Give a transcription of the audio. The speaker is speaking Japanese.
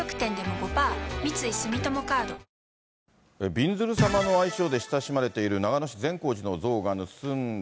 びんずる様の愛称で親しまれている長野市善光寺の像が盗んだ